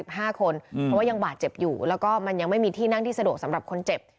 เพราะว่ายังบาดเจ็บอยู่แล้วก็มันยังไม่มีที่นั่งที่สะดวกสำหรับคนเจ็บ